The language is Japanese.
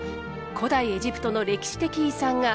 古代エジプトの歴史的遺産が。